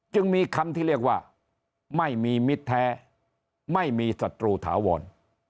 จึงมีคำที่เรียกว่าไม่มีมิตรแท้ไม่มีศัตรูถาวร